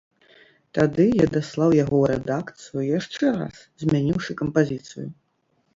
Тады я даслаў яго ў рэдакцыю яшчэ раз, змяніўшы кампазіцыю.